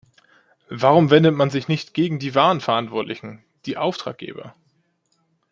Warum wendet man sich nicht gegen die wahren Verantwortlichen, die Auftraggeber?